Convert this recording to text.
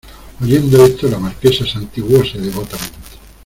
oyendo esto, la Marquesa santiguóse devotamente.